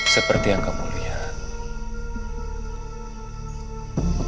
seperti yang kamu lihat